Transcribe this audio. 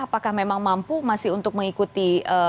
apakah memang mampu masih untuk mengikuti